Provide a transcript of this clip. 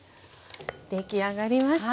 出来上がりました。